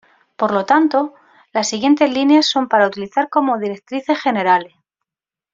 Por lo tanto, las siguientes líneas son para utilizar como directrices generales.